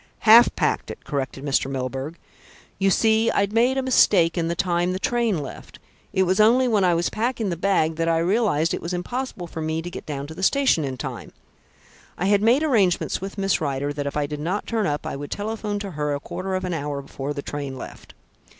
"Half packed it," corrected Mr. Milburgh. "You see, I'd made a mistake in the time the train left. It was only when I was packing the bag that I realised it was impossible for me to get down to the station in time. I had made arrangements with Miss Rider that if I did not turn up I would telephone to her a quarter of an hour before the train left.